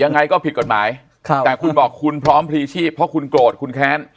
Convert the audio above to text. ยังไงก็ผิดกฎหมายค่ะแต่คุณบอกคุณพร้อมพลีชีพเพราะคุณโกรธคุณแค้น